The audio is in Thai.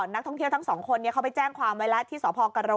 นักท่องเที่ยวทั้งสองคนนี้เขาไปแจ้งความไว้แล้วที่สพกร